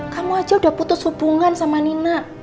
kamu aja udah putus hubungan sama nina